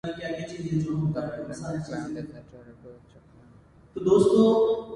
The islands were claimed as a territory of Japan.